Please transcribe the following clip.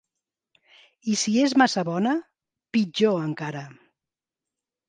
I si és massa bona, pitjor encara.